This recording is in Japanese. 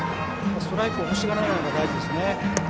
ストライクを欲しがらないのが大事ですね。